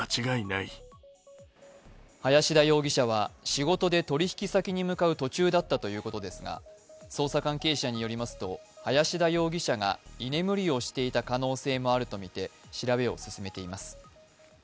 林田容疑者は仕事で取引先に向かう途中だったということですが捜査関係者によりますと林田容疑者が居眠りをしていた可能性もあるとみて調べを進めています。